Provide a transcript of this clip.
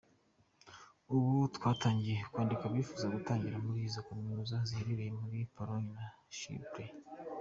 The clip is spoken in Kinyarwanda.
Ubu twatangiye kwandika abifuza gutangira muri izo kaminuza ziherereye muri Pologne na Chypre.